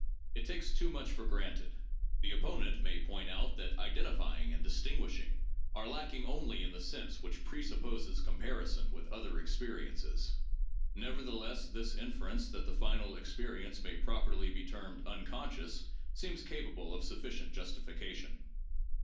It takes too much for granted. The opponent may point out that identifying and distinguishing are lacking only in the sense which presupposes comparison with other experiences. Nevertheless, this inference that the final experience may properly be termed unconscious seems capable of sufficient justification.